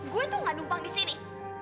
gue tuh nggak numpang di sini